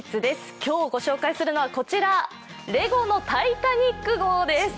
今日ご紹介するのは、こちら、レゴの「タイタニック」号です。